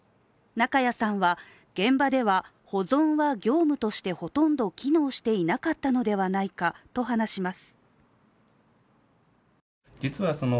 中矢さんは、現場では保存は業務としてほとんど機能していなかったのではないかと話します。